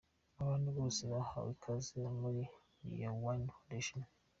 Abantu bose bahawe ikaze muri We are one Foundation.